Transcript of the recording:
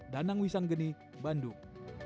danang wisanggeni bandung